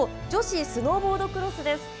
女子スノーボードクロスです。